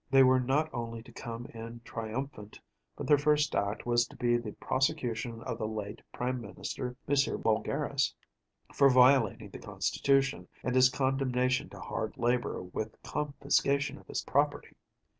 They were not only to come in triumphant, but their first act was to be the prosecution of the late Prime Minister, M. Boulgaris, for violating the Constitution, and his condemnation to hard labor, with confiscation of his property.